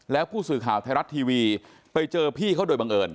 แล้วผู้สื่อข่าวไทยรัฐทีวีไปเจอพี่เขาโดยบังเอิญ